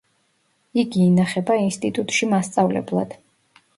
იგი ინახება ინსტიტუტში მასწავლებლად.